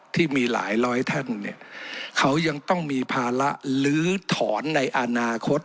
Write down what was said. ที่มีหลายร้อยท่านเนี่ยเขายังต้องมีภาระลื้อถอนในอนาคต